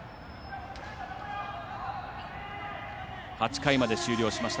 ８回まで終了しました。